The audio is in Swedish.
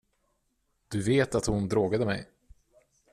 Du vet att hon drogade mig.